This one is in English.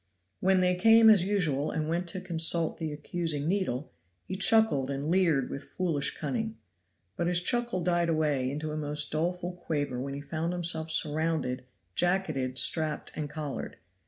When they came, as usual, and went to consult the accusing needle, he chuckled and leered with foolish cunning. But his chuckle died away into a most doleful quaver when he found himself surrounded, jacketed, strapped and collared.